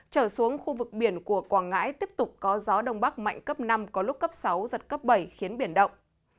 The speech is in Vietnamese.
trở xuống khu vực biển của quảng ngãi tiếp tục có gió đông bắc mạnh cấp năm có lúc cấp sáu giật cấp bảy khiến biển động